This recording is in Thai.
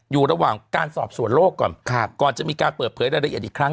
อยู่ระหว่างการสอบสวนโลกก่อนก่อนจะมีการเปิดเผยรายละเอียดอีกครั้ง